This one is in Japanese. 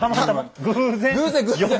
偶然？